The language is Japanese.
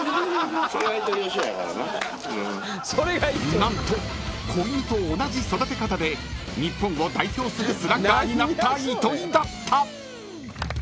［何と子犬と同じ育て方で日本を代表するスラッガーになった糸井だった］